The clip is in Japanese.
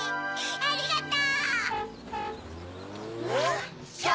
ありがとう！